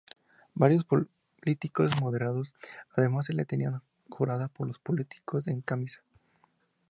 Varios políticos moderados además se la tenían jurada por "Los políticos en camisa".